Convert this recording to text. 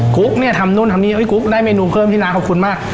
กุ๊กเนี่ยทำนู่นทำนี่กุ๊กได้เมนูเพิ่มพี่น้าขอบคุณมาก